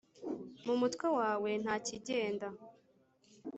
Mu mutwe wawe ntakigenda